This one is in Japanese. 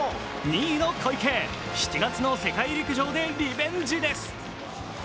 ２位の小池、７月の世界陸上でリベンジです。